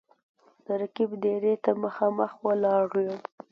د رقیب دېرې ته مـــخامخ ولاړ یـــم